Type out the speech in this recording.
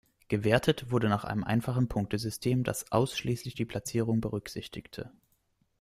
Gewertet wurde nach einem einfachen Punktesystem, das ausschließlich die Platzierung berücksichtigte.